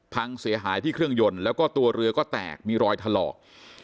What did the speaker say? พังเสียหายที่เครื่องยนต์แล้วก็ตัวเรือก็แตกมีรอยถลอก